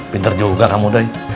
pinter juga kamu doi